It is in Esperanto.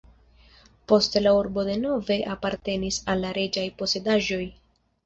Poste la urbo denove apartenis al la reĝaj posedaĵoj.